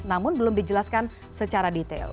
namun belum dijelaskan secara detail